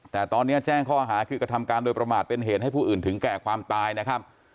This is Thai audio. แต่ตอนนี้แจ้งข้อหาคือกระทำการโดยประมาทเป็นเหตุให้ผู้อื่นถึงแก่ความตายนะครับ